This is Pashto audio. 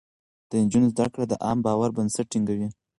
د نجونو زده کړه د عامه باور بنسټ ټينګوي.